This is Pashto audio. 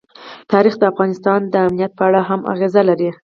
تاریخ د افغانستان د امنیت په اړه هم اغېز لري.